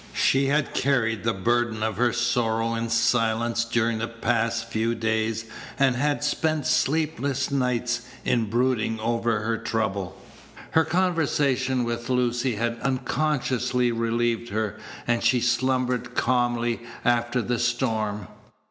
She had carried the burden of her sorrow in silence during the past few days, and had spent sleepless nights in brooding over her trouble. Her conversation with Lucy had unconsciously relieved her, and she slumbered calmly after the storm.